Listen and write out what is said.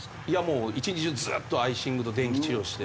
もう一日中ずっとアイシングと電気治療して。